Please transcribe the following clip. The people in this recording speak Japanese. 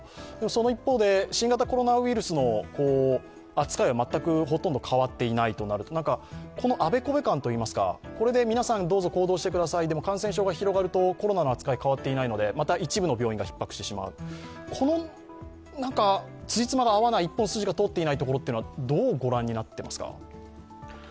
その一方で新型コロナウイルスの扱いは全く、ほとんど変わっていないとなるとこのあべこべ感といいますか、これで皆さん行動してくださいでも感染症が広がると、コロナの扱いは変わっていないので、また一部の病院がひっ迫してしまう、このつじつまが合わない、一本筋が通っていないところというのはどうご覧になっていますか。